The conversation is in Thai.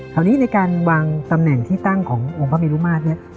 คราวนี้ในการวางตำแหน่งที่ตั้งขององค์พระเมรุมาตรเนี่ย